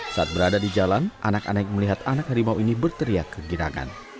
saat berada di jalan anak anak melihat anak harimau ini berteriak kegirangan